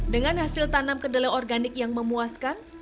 dengan hasil tanam kedelai organik yang memuaskan